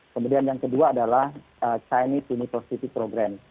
kemudian yang kedua adalah chinese university program